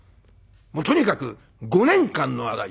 もうとにかく５年間の間に。